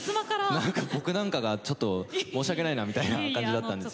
何か僕なんかがちょっと申し訳ないなみたいな感じだったんですけど。